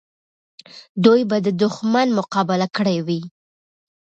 دوی به د دښمن مقابله کړې وي.